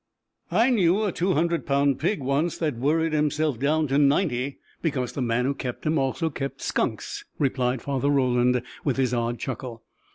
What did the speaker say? "I knew a 200 pound pig once that worried himself down to ninety because the man who kept him also kept skunks," replied Father Roland, with his odd chuckle.